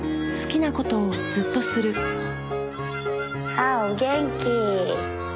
あっお元気。